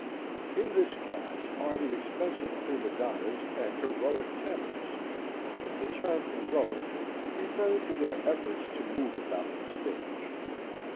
In this class are the expensive prima donnas and heroic tenors (the term "heroic" referring to their efforts to move about the stage).